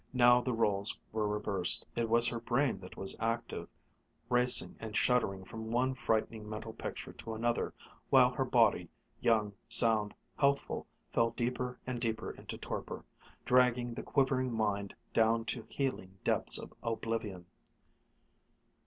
Now the rôles were reversed. It was her brain that was active, racing and shuddering from one frightening mental picture to another, while her body, young, sound, healthful, fell deeper and deeper into torpor, dragging the quivering mind down to healing depths of oblivion.